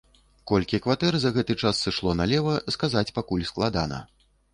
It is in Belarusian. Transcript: Колькі кватэр за гэты час сышло налева, сказаць пакуль складана.